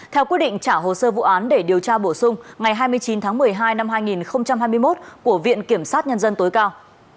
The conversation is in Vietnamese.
theo quyết định trả hồ sơ vụ án để điều tra bổ sung ngày hai mươi chín tháng một mươi hai năm hai nghìn hai mươi một của viện kiểm sát nhân dân tối cao